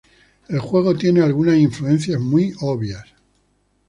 El juego tiene algunas influencias muy obvias.